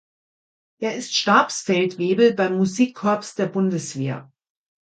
Er ist Stabsfeldwebel beim Musikkorps der Bundeswehr.